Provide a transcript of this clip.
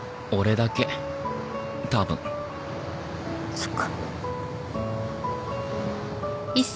そっか。